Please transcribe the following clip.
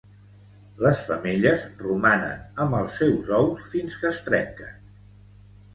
Les femelles romanen amb els seus ous fins que es trenquen.